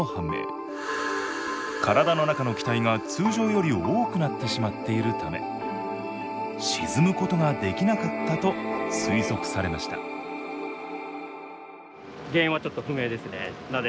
体の中の気体が通常より多くなってしまっているため沈むことができなかったと推測されましたなぜ